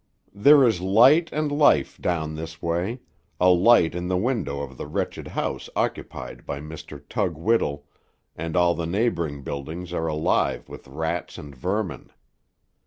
There is light and life down this way; a light in the window of the wretched house occupied by Mr. Tug Whittle, and all the neighboring buildings are alive with rats and vermin.